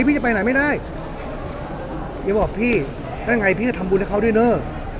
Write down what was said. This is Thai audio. พี่จะไปไหนไม่ได้อย่าบอกพี่ถ้าไงพี่จะทำบุญให้เขาด้วยเนอะ